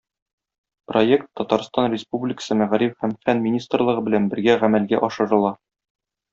Проект Татарстан Республикасы Мәгариф һәм фән министрлыгы белән бергә гамәлгә ашырыла.